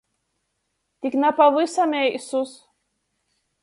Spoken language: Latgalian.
Tik na pavysam eisus!